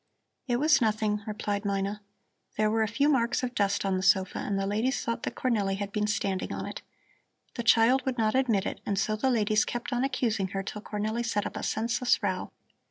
"It was nothing," replied Mina. "There were a few marks of dust on the sofa, and the ladies thought that Cornelli had been standing on it. The child would not admit it and so the ladies kept on accusing her till Cornelli set up a senseless row."